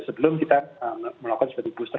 sebelum kita melakukan seperti booster